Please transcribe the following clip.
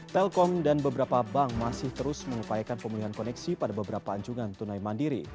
telkom dan beberapa bank masih terus mengupayakan pemulihan koneksi pada beberapa anjungan tunai mandiri